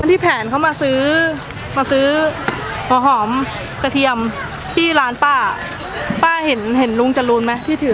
ที่แผนเขามาซื้อมาซื้อหัวหอมกระเทียมที่ร้านป้าป้าเห็นเห็นลุงจรูนไหมที่ถือ